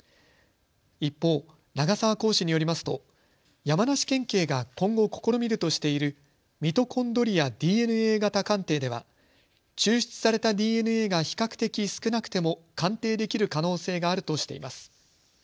一方、永澤講師によりますと山梨県警が今後試みるとしているミトコンドリアＤＮＡ型鑑定では抽出されたＤＮＡが比較的少なくても鑑定できる可能性があるとしています。